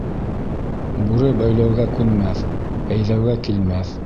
Бүре бәйләүгә күнмәҫ, әйҙәүгә килмәҫ.